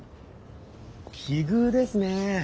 奇遇ですね。